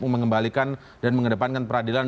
mengembalikan dan mengedepankan peradilan